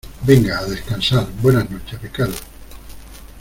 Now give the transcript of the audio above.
venga, a descansar. buenas noches , Ricardo .